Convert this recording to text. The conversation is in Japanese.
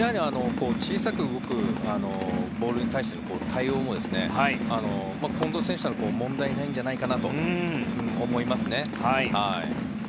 小さく動くボールに対しての対応も近藤選手は問題ないんじゃないかなと思いますね。